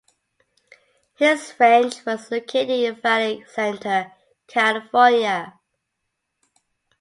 His ranch was located in Valley Center, California.